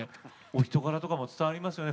人柄とかも伝わりますね。